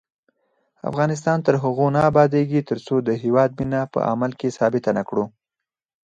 افغانستان تر هغو نه ابادیږي، ترڅو د هیواد مینه په عمل کې ثابته نکړو.